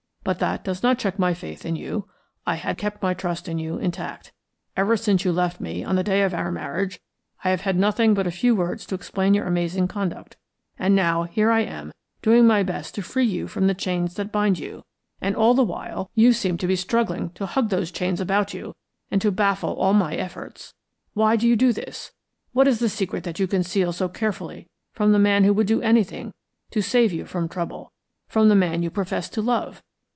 But that does not check my faith in you. I had kept my trust in you intact. Ever since you left me on the day of our marriage I have had nothing but a few words to explain your amazing conduct; and now here am I doing my best to free you from the chains that bind you, and all the while you seem to be struggling to hug those chains about you and to baffle all my efforts. Why do you do this? What is the secret that you conceal so carefully from the man who would do anything to save you from trouble, from the man you profess to love?